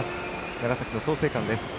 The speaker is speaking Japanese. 長崎の創成館です。